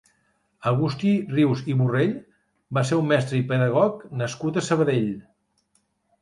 Agustí Rius i Borrell va ser un mestre i pedagog nascut a Sabadell.